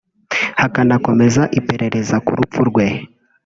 hakanakomeza ipereza ku rupfu rwe